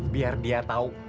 biar dia tahu